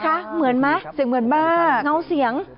เสียงเหมือนมากเหงาเสียง